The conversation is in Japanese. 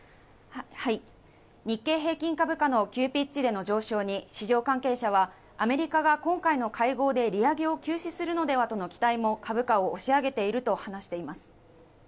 日経平均株価の急ピッチでの上昇に市場関係者は、アメリカが今回の会合で利上げを休止するのではとの期待も株価を押し上げていると話しています。